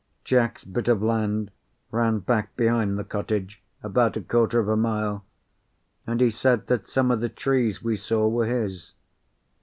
Jack's bit of land ran back behind the cottage about a quarter of a mile, and he said that some of the trees we saw were his.